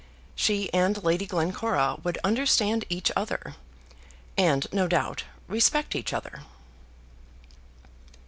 She and Lady Glencora would understand each other; and no doubt, respect each other.